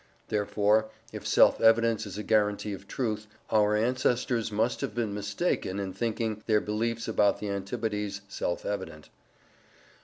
Therefore, if self evidence is a guarantee of truth, our ancestors must have been mistaken in thinking their beliefs about the Antipodes self evident.